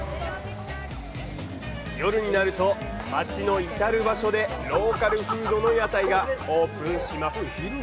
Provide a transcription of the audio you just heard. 夜になると、街の至る場所でローカルフードの屋台がオープンします。